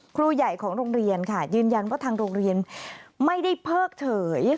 ครูใหญ่ของโรงเรียนค่ะยืนยันว่าทางโรงเรียนไม่ได้เพิกเฉย